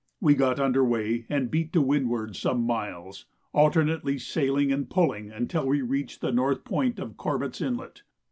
We got under weigh and beat to windward some miles, alternately sailing and pulling until we reached the north point of Corbett's Inlet.